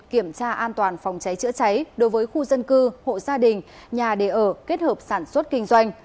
kiểm tra an toàn phòng cháy chữa cháy đối với khu dân cư hộ gia đình nhà đề ở kết hợp sản xuất kinh doanh